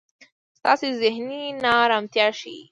ستاسې زهني نا ارمتیا ښي.